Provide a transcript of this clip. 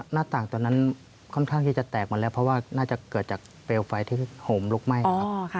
หน้าต่างตอนนั้นค่อนข้างที่จะแตกมาแล้วเพราะว่าน่าจะเกิดจากเปลวไฟที่โหมลุกไหม้ครับ